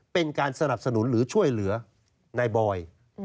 เป็นการสนับสนุนหรือช่วยเหลือนายบอย